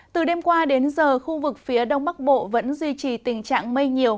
từ đêm qua đến giờ khu vực phía đông bắc bộ vẫn duy trì tình trạng mây nhiều